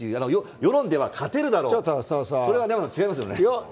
世論では勝てるだろう、それはでも違いますよね。